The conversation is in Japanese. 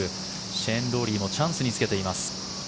シェーン・ロウリーもチャンスにつけています。